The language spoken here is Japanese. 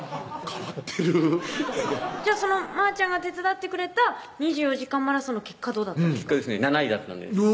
変わってるまーちゃんが手伝ってくれた２４時間マラソンの結果どうだったんですか？